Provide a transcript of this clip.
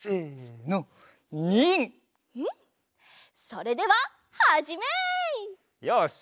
それでははじめい！よし！